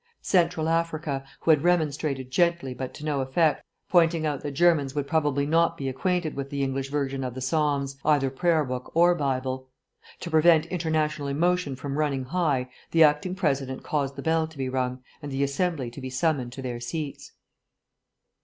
Central Africa, who had remonstrated gently but to no effect, pointing out that Germans would probably not be acquainted with the English version of the Psalms, either Prayer Book or Bible. To prevent international emotion from running high, the acting President caused the bell to be rung and the Assembly to be summoned to their seats.